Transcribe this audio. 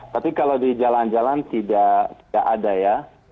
tapi kalau di jalan jalan tidak ada ya